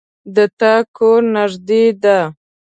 د تا کور نږدې ده